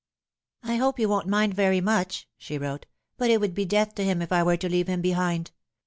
" I hope you won't mind very much," she wrote ;" but it would be death to him if I were to leave him behind.